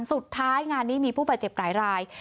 สุดท้ายงานนี้มีผู้ประเจ็บไกลราย